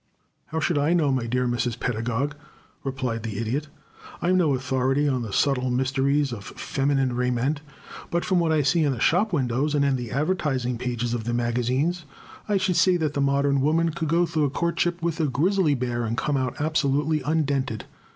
"How should I know, my dear Mrs. Pedagog?" replied the Idiot. "I'm no authority on the subtle mysteries of feminine raiment, but from what I see in the shop windows, and in the advertising pages of the magazines, I should say that the modern woman could go through a courtship with a grizzly bear and come out absolutely undented.